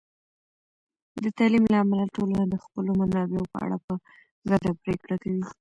د تعلیم له امله، ټولنه د خپلو منابعو په اړه په ګډه پرېکړه کوي.